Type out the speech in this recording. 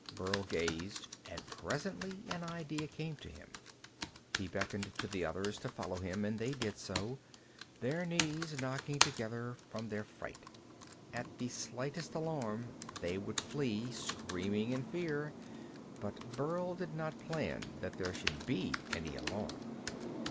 Burl gazed, and presently an idea came to him. He beckoned to the others to follow him, and they did so, their knees knocking together from their fright. At the slightest alarm they would flee, screaming in fear, but Burl did not plan that there should be any alarm.